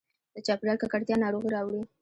د چاپېریال ککړتیا ناروغي راوړي.